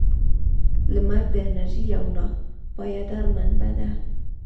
• لمر د انرژۍ یو ناپایدار منبع دی.